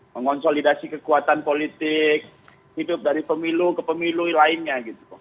mengonsolidasi kekuatan politik hidup dari pemilu ke pemilu lainnya